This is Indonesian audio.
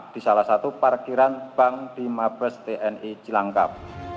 di salah satu parkiran bank di mabes tni cilangkap